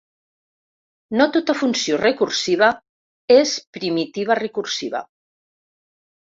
No tota funció recursiva és primitiva recursiva.